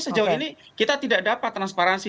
sejauh ini kita tidak dapat transparansi